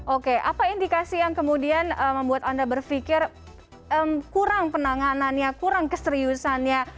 oke apa indikasi yang kemudian membuat anda berpikir kurang penanganannya kurang keseriusannya